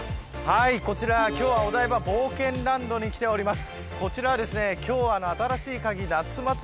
こちら今日はお台場冒険ランドに来ております。